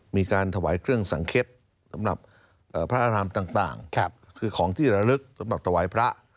มีการถวายเครื่องสังเค็ดสำหรับพระอารามต่างคือของที่ระลึกสำหรับถวายพระ